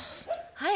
はい。